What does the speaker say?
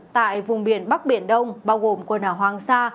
tại vùng biển bắc biển đông bao gồm quần đảo hoàng sa